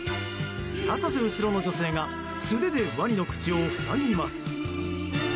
すかさず後ろの女性が素手でワニの口を塞ぎます。